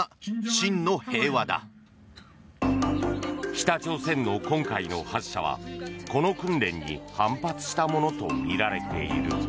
北朝鮮の今回の発射はこの訓練に反発したものとみられている。